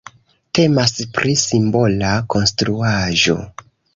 Temas pri simbola konstruaĵo.